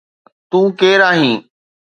تو ڪير آهين؟